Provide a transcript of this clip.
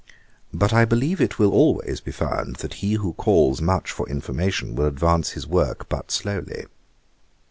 But I believe it will always be found, that he who calls much for information will advance his work but slowly.